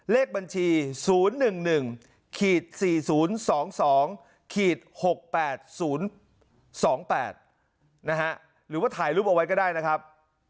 เลขบัญชี๐๑๑๔๐๒๒๖๘๐๒๘นะฮะหรือว่าถ่ายรูปเอาไว้ก็ได้นะครับ